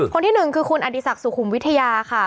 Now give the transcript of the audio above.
คนที่หนึ่งคือคุณอดีศักดิ์สุขุมวิทยาค่ะ